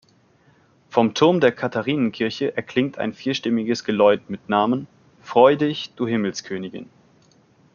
Vom Turm der Katharinenkirche erklingt ein vierstimmiges Geläut mit Namen: "Freu dich, du Himmelskönigin".